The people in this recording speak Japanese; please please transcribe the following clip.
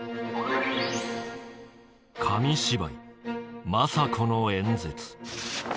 紙芝居「政子の演説」。